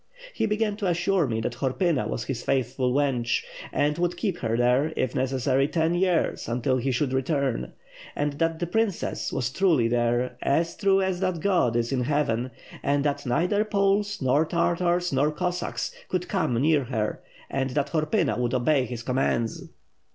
He began to assure me that Horpyna was his faithful wench, and would keep her there, if necessary, ten years until he should return; and that the princess was truly there, as true as that God is in heaven, and that neither Poles, nor Tartars, nor Cossacks could come near her and that Horpyna would obey his com mands."